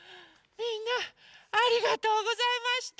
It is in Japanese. みんなありがとうございました。